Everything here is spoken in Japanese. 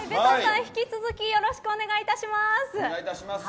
引き続きよろしくお願いします。